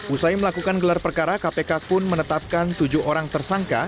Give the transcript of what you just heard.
usai melakukan gelar perkara kpk pun menetapkan tujuh orang tersangka